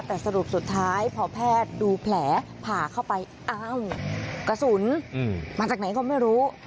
แต่สรุปสุดท้ายพอแพทย์ดูแผลผ่าเข้าไปอ้าวกระสุนมาจากไหนก็ไม่รู้